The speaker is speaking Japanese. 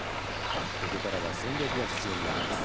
ここからは戦略が必要になります。